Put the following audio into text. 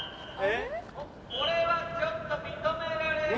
これはちょっと認められない。